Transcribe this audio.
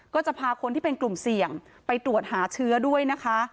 ก็จะพาคนที่เป็นกลุ่มเสี่ยงไปตรวจหาเชื้อด้วยนะคะ